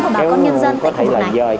ngập lụt ảnh hưởng tới đời sống